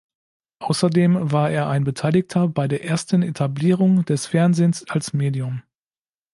Außerdem war er ein Beteiligter bei der ersten Etablierung des Fernsehens als Medium.